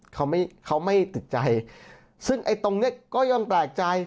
เขาไม่เขาไม่ติดใจซึ่งไอ้ตรงเนี้ยก็ยังแปลกใจ